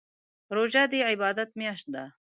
روژه دي عبادات میاشت ده